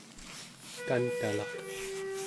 kantalaq